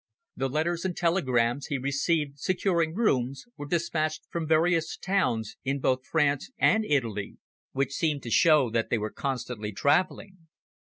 The letters and telegrams he received securing rooms were dispatched from various towns in both France and Italy, which seemed to show that they were constantly travelling.